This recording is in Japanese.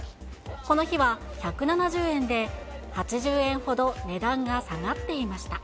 この日は１７０円で、８０円ほど値段が下がっていました。